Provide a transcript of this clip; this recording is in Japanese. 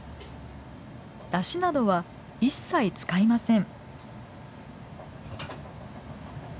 だしなどは、一切使いません。